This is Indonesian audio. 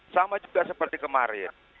sama juga seperti kemarin